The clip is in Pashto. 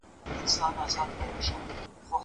زه اوس انځورونه رسم کوم.